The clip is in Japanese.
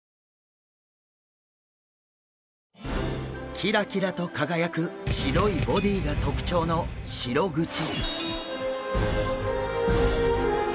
キラキラと輝く白いボディーが特徴のシログチ。